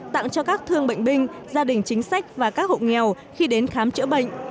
tặng cho các thương bệnh binh gia đình chính sách và các hộ nghèo khi đến khám chữa bệnh